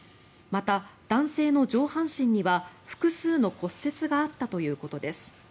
また、男性の上半身には複数の骨折があったということです。